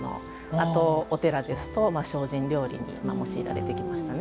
あとお寺ですと精進料理に用いられてきましたね。